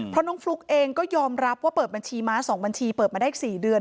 เพราะน้องฟลุ๊กเองก็ยอมรับว่าเปิดบัญชีม้า๒บัญชีเปิดมาได้๔เดือน